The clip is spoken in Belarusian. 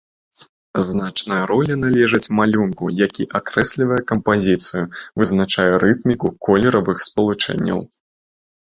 Значная роля належыць малюнку, які акрэслівае кампазіцыю, вызначае рытміку колеравых спалучэнняў.